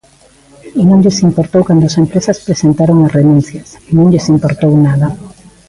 Non lles importou cando as empresas presentaron as renuncias; non lles importou nada.